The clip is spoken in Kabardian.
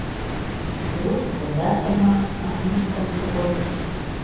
Уэ сыпхуэдатэмэ, Америкэм сыкӀуэнт.